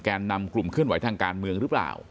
นำกลุ่มเคลื่อนไหวทางการเมืองหรือเปล่า